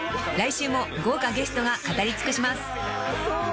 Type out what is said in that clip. ［来週も豪華ゲストが語り尽くします］